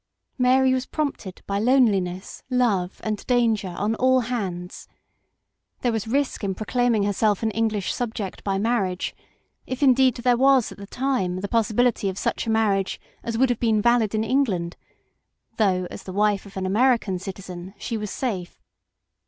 Mary was prompted by loneliness, love, and danger on all hands. There was risk in proclaiming herself an English subject by marriage, if indeed there was at the time the possibility of such a marriage as would have been valid in England, though, as the wife of an American citizen, she was safe.